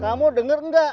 kamu denger gak